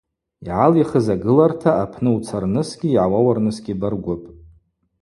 Йгӏалихыз агыларта апны уцарнысгьи йгӏауаурнысгьи баргвыпӏ.